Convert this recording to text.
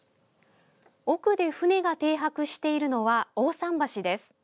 奥で船が停泊しているのは大さん橋です。